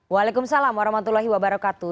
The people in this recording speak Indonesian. waalaikumsalam warahmatullahi wabarakatuh